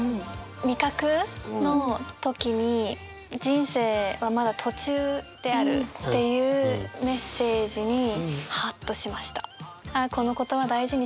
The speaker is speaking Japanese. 味覚の時に人生はまだ途中であるっていうメッセージにはっとしました。